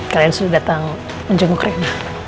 kalian sudah datang menjemuk rena